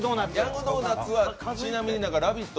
ヤングドーナツはちなみにラヴィット！